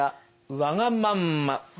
わがまんま。